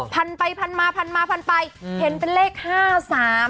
พันไปพันมาพันมาพันไปเห็นเป็นเลขห้าสาม